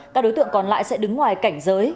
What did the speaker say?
các đối tượng còn lại sẽ đứng ngoài cảnh giới